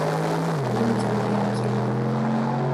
Nim jilmayib keldi u.